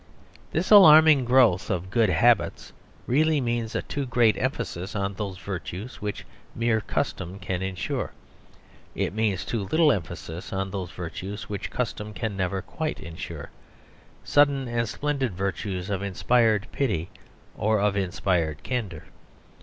This alarming growth of good habits really means a too great emphasis on those virtues which mere custom can ensure, it means too little emphasis on those virtues which custom can never quite ensure, sudden and splendid virtues of inspired pity or of inspired candour.